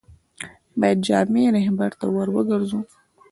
باید جامع رهبرد ته ور وګرځو.